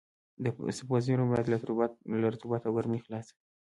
د سبو زېرمه باید له رطوبت او ګرمۍ خلاصه وي.